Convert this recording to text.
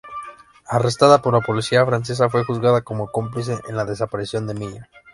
Arrestada por la policía francesa, fue juzgada como cómplice en la desaparición de Miller.